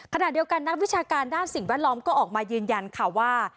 ขณะเดียวกันนักวิชาการด้านสิ่งแวดล้อมก็ออกมายืนยันค่ะว่า